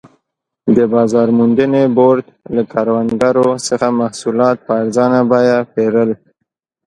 د بازار موندنې بورډ له کروندګرو څخه محصولات په ارزانه بیه پېرل.